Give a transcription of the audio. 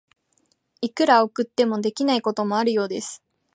いくら送っても、できないこともあるようです。